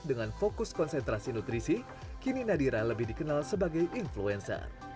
dengan fokus konsentrasi nutrisi kini nadira lebih dikenal sebagai influencer